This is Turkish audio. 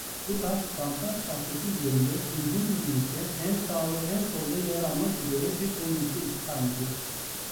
Bu taş satranç tahtası üzerinde uygun dizilişte en sağ ve en solda yer almak üzere bir oyuncuda iki tanedir.